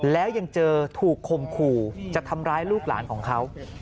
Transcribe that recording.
แล้วยังเจอถูกคมขู่จะทำร้ายลูกหลานของเขา